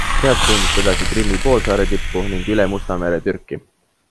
Sealt suundus ta edasi Krimmi poolsaare tippu ning üle Musta mere Türki.